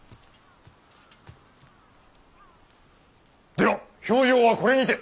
では評定はこれにて。